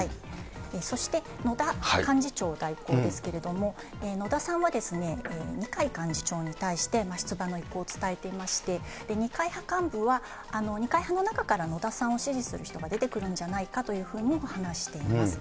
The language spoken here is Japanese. そして野田幹事長代行ですけれども、野田さんは二階幹事長に対して、出馬の意向を伝えていまして、二階派幹部は二階派の中から野田さんを支持する人が出てくるんじゃないかというふうにも話しています。